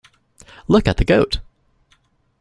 Look at the goat!